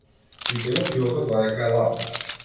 Пијте го пивото додека е ладно.